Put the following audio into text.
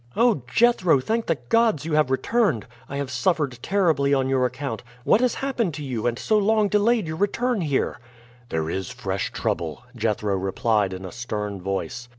"Oh, Jethro! thank the gods you have returned. I have suffered terribly on your account. What has happened to you, and so long delayed your return here?" "There is fresh trouble," Jethro replied in a stern voice.